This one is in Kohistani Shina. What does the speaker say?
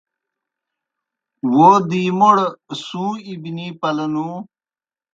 وو دی موْڑ سُوں اِبنِی پلہ نُوں۔